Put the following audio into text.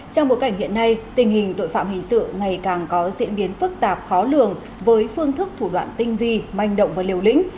trong bối cảnh hiện nay tình hình tội phạm hình sự ngày càng có diễn biến phức tạp khó lường với phương thức thủ đoạn tinh vi manh động và liều lĩnh